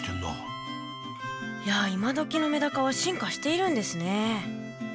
いや今どきのメダカは進化しているんですね。